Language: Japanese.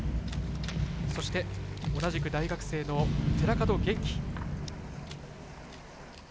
そして、同じく大学生の寺門弦輝。